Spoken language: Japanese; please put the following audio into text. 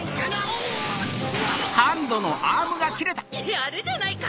やるじゃないか！